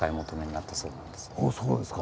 あっそうですか。